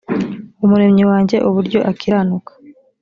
umuremyi wanjye uburyo akiranuka